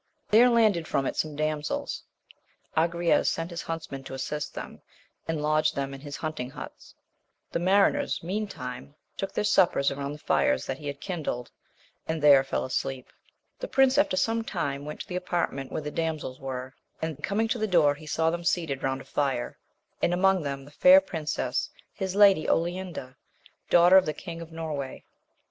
There landed from it some damsels; Agrayes sent his huntsmen to assist them, aiA IcidL^^^^JcL^SHy'"" bi$ hunting buta. The marinera imeaiLVhxcifc \»^ 102 AMADIS OF GAUL. suppers round the fires that he had kindled, and there fell asleep. The prince after some time went to the apartment where the damsels were, and coming to the door he saw them seated round a fire, and among them the fair princess, his Lady OKnda, daughter of the King of Norway.